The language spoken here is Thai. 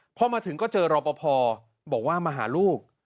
พอมาถึงก็เจอรอปภบอกว่ามาหาลูก